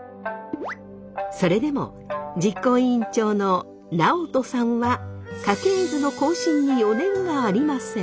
それでも実行委員長の尚人さんは家系図の更新に余念がありません。